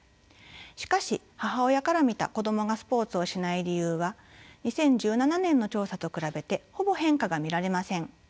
しかし母親から見た子どもがスポーツをしない理由は２０１７年の調査と比べてほぼ変化が見られません。